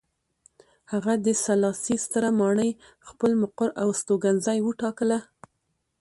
هغه د سلاسي ستره ماڼۍ خپل مقر او استوګنځی وټاکله.